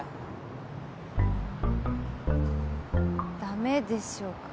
駄目でしょうか？